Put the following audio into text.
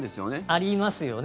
ありますよね。